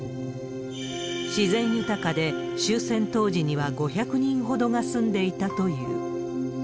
自然豊かで、終戦当時には５００人ほどが住んでいたという。